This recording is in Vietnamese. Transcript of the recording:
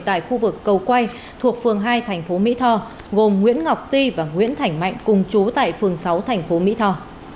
tại khu vực cầu quay thuộc phường hai thành phố mỹ tho gồm nguyễn ngọc ti và nguyễn thảnh mạnh cùng chú tại phường sáu thành phố mỹ tho